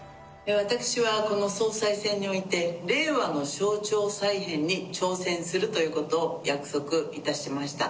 私はこの総裁選において、令和の省庁再編に挑戦するということを約束いたしました。